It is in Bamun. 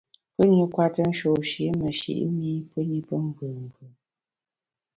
Pù-ni kwete nshôsh-i meshi’ mi pù ni pe mvùù mvù.